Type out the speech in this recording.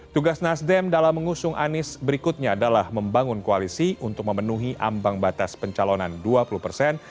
tugas nasdem dalam mengusung anies berikutnya adalah membangun koalisi untuk memenuhi ambang batas pencalonan dua puluh persen